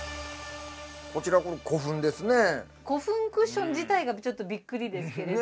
古墳クッション自体がちょっとびっくりですけれどね。